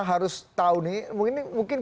harus tahu nih mungkin